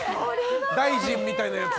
大臣みたいなやつ。